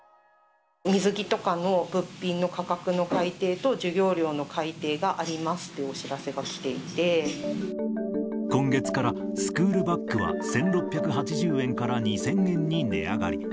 水着とかの物品の価格の改定と授業料の改定がありますという今月から、スクールバッグは１６８０円から２０００円に値上がり。